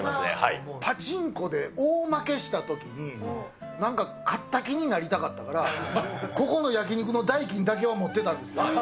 パチンコで大負けしたときに、なんか、勝った気になりたかったから、ここの焼肉の代金だけは持ってたんですよ。